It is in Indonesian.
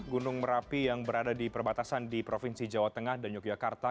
gunung merapi yang berada di perbatasan di provinsi jawa tengah dan yogyakarta